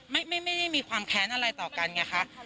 ไม่ได้มีความแค้นอะไรต่อกันไงคะ